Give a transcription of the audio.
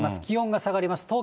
気温が下がります。